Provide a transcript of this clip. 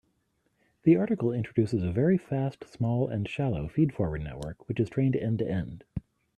The article introduces a very fast, small, and shallow feed-forward network which is trained end-to-end.